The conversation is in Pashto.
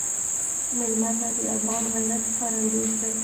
مېلمه ته د افغان غیرت ښکارندوی شه.